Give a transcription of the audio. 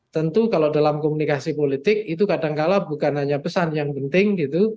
tentu kalau dalam komunikasi politik itu kadangkala bukan hanya pesan yang penting gitu